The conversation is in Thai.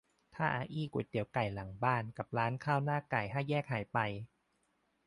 ถ้าอาอี้ก๋วยเตี๋ยวไก่หลังบ้านกับร้านข้าวหน้าไก่ห้าแยกหายไป